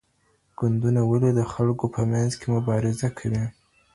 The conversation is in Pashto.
ګوندونه ولي د خلګو په منځ کي مبارزې کوي؟